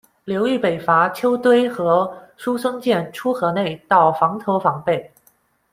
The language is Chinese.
刘裕北伐，丘堆和叔孙建出河内到枋头防备。